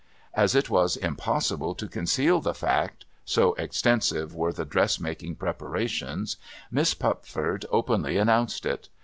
As it was impossible to conceal the fact — so extensive were the dress making preparations — Miss Pupford openly announced it.